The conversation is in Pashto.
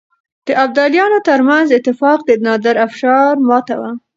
د ابدالیانو ترمنځ اتفاق د نادرافشار ماته وه.